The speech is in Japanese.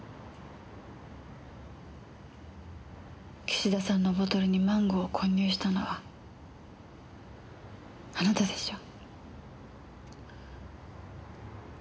岸田さんのボトルにマンゴーを混入したのはあなたでしょ？